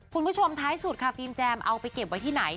คุณผู้ชมท้ายสุดค่ะฟิล์มแจมเอาไปเก็บไว้ที่ไหน